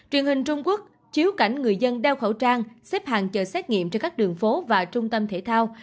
truyền hình trung quốc chiếu cảnh người dân đeo khẩu trang xếp hàng chờ xét nghiệm trên các đường phố và trung tâm thể thao